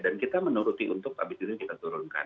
dan kita menuruti untuk habis itu kita turunkan